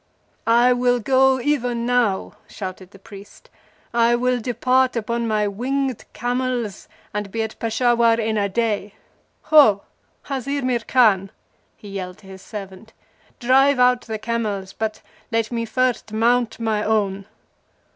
"I will go even now!" shouted the priest. "I will depart upon my winged camels, and be at Peshawar in a day! Ho! Hazar Mir Khan," he yelled to his servant "drive out the camels, but let me first mount my own."